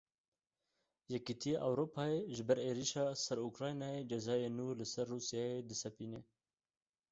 Yekîtiya Ewropayê ji ber êrişa ser Ukraynayê cezayên nû li ser Rûsyayê disepîne.